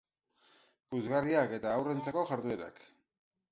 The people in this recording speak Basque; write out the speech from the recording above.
Puzgarriak eta haurrentzako jarduerak.